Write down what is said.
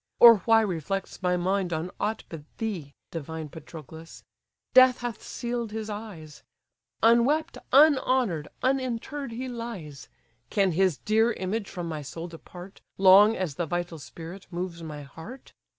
Or why reflects my mind on aught but thee, Divine Patroclus! Death hath seal'd his eyes; Unwept, unhonour'd, uninterr'd he lies! Can his dear image from my soul depart, Long as the vital spirit moves my heart?